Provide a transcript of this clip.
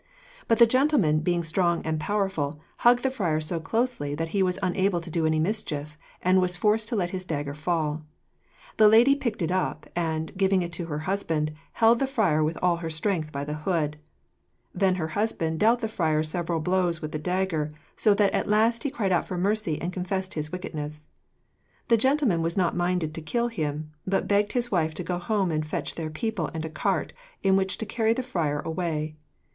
But the gentleman being strong and powerful, hugged the friar so closely that he was unable to do any mischief, and was forced to let his dagger fall. The lady picked it up, and, giving it to her husband, held the friar with all her strength by the hood. Then her husband dealt the friar several blows with the dagger, so that at last he cried for mercy and confessed his wickedness. The gentleman was not minded to kill him, but begged his wife to go home and fetch their people and a cart, in which to carry the friar away.